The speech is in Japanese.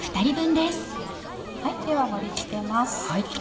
では盛り付けます。